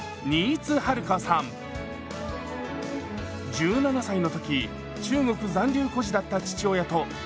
１７歳の時中国残留孤児だった父親と家族で来日。